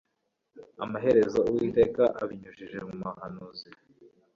amaherezo uwiteka abinyujije mu muhanuzi